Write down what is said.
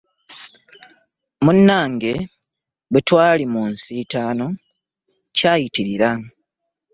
Munnange bwe twali mu nsiitaano kyayitirira.